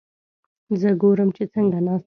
زه ګورم چې څنګه ناست دي؟